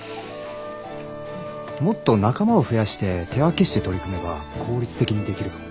もっと仲間を増やして手分けして取り組めば効率的にできるかも。